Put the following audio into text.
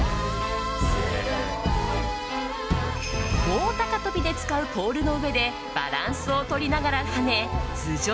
棒高跳びで使うポールの上でバランスをとりながら跳ね頭上